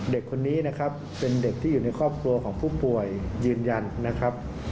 เด็กคนนี้นะครับเป็นเด็กที่อยู่ในครอบครัวของผู้ป่วยยืนยันนะครับ